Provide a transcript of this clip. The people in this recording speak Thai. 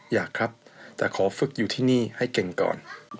อยากครับแต่ขอฝึกอยู่ที่นี่ให้เก่งก่อน